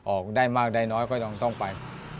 ออกได้มากได้น้อยก็ต้องไป